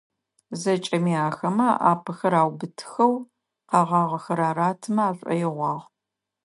ЗэкӀэми ахэмэ alaпэхэр аубытыхэу, къэгъагъэхэр аратымэ ашӀоигъуагъ.